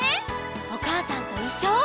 「おかあさんといっしょ」を。